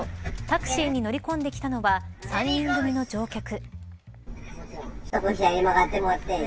タクシーに乗り込んできたのは３人組の乗客。